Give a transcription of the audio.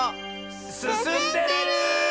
すすんでる！